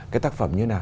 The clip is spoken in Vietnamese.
cái tác phẩm như thế nào